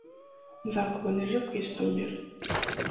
Nzakubona ejo ku isomero.